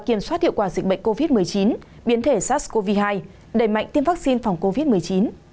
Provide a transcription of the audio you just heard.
kiểm soát hiệu quả dịch bệnh covid một mươi chín biến thể sars cov hai đẩy mạnh tiêm vaccine phòng covid một mươi chín